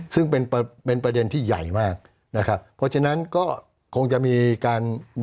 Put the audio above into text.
ซึ่งเป็นประเด็นที่ใหญ่มากนะครับเพราะฉะนั้นก็คงจะมีการ